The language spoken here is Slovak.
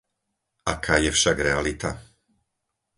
Aká je však realita?